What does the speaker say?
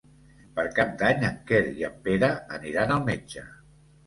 Per Cap d'Any en Quer i en Pere aniran al metge.